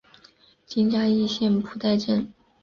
今嘉义县布袋镇。